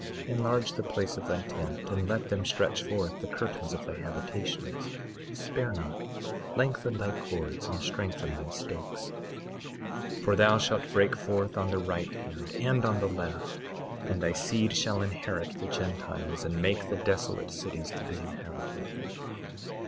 22:2 Enlarge the place of thy tent, and let them stretch forth the curtains of thy habitations; spare not, lengthen thy cords and strengthen thy stakes; 22:3 For thou shalt break forth on the right hand and on the left, and thy seed shall inherit the Gentiles and make the desolate cities to be inhabited.